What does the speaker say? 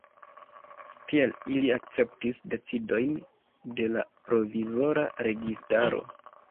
Tiel ili akceptis decidojn de la provizora registaro.